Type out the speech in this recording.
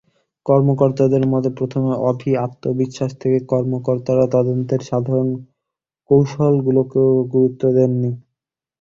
কর্মকর্তাদের মতে, প্রথমে অতি আত্মবিশ্বাস থেকে কর্মকর্তারা তদন্তের সাধারণ কৌশলগুলোকেও গুরুত্ব দেননি।